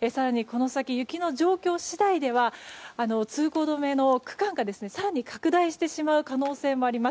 更にこの先雪の状況次第では通行止めの区間が更に拡大してしまう可能性もあります。